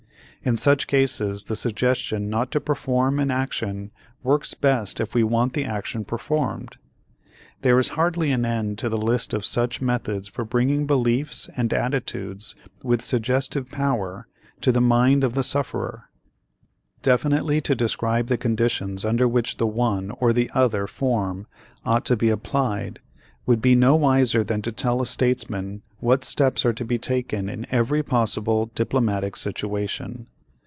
In such cases the suggestion not to perform an action works best if we want the action performed. There is hardly an end to the list of such methods for bringing beliefs and attitudes with suggestive power to the mind of the sufferer. Definitely to describe the conditions under which the one or the other form ought to be applied would be no wiser than to tell a statesman what steps are to be taken in every possible diplomatic situation.